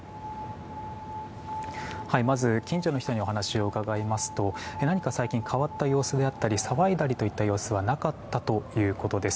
まず、近所の人にお話を伺いますと何か最近変わった様子であったり騒いだ様子はなかったということです。